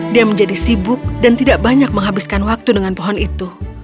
dia menjadi sibuk dan tidak banyak menghabiskan waktu dengan pohon itu